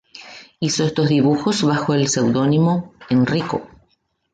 Hizo estos dibujos bajo el pseudónimo ’'Enrico".